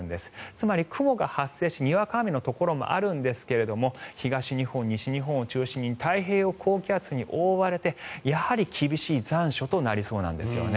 つまり、雲が発生してにわか雨のところもあるんですが東日本、西日本を中心に太平洋高気圧に覆われてやはり厳しい残暑となりそうなんですよね。